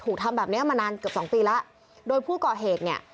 ทำแบบเนี้ยมานานเกือบสองปีแล้วโดยผู้ก่อเหตุเนี่ย